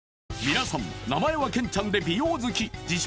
皆さん名前はケンちゃんで美容好き自称